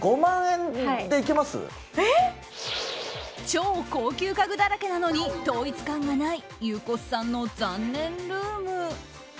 超高級家具だらけなのに統一感がないゆうこすさんの残念ルーム。